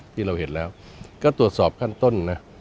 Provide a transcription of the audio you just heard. ที่เราเห็นแล้วก็ตรวจสอบขั้นต้นนะ